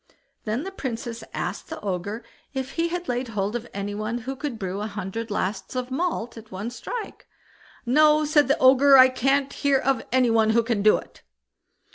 Then the Princess asked the Ogre if he had laid hold of any one who could brew a hundred lasts of malt at one strike? "No", said the Ogre, "I can't hear of any one who can do it."